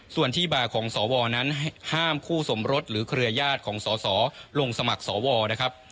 ส่วนที่มาของสวนั้นห้ามคู่สมรสหรือเครือญาติของสสลงสมัครสวนะครับ